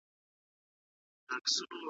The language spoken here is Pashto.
د مختلفو عواملو له مخي، وېره لري ,